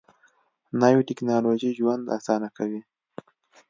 نوې ټیکنالوژي ژوند اسانه کوي